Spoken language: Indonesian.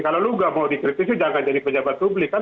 kalau lo gak mau dikritisi jangan jadi pejabat publik